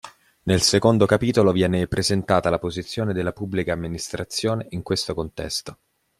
Nel secondo capitolo viene presentata la posizione della Pubblica Amministrazione in questo contesto.